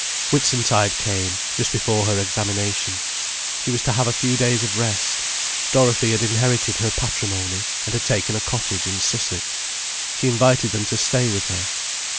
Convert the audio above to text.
Whitsuntide came, just before her examination. She was to have a few days of rest. Dorothy had inherited her patrimony, and had taken a cottage in Sussex. She invited them to stay with her.